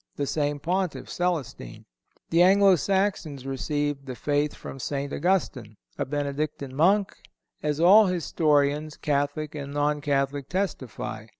The same Pontiff, Celestine. The Anglo Saxons received the faith from St. Augustine, a Benedictine monk, as all historians, Catholic and non Catholic, testify.